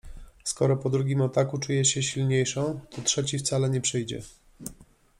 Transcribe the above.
Skoro po drugim ataku czujesz się silniejszą, to trzeci wcale nie przyjdzie.